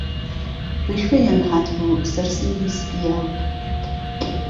ریشوەیان هاتبوه سەرسنگیسپییه